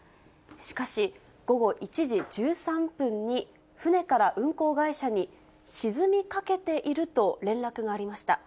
しかし、午後１時１３分に船から運航会社に、沈みかけていると連絡がありました。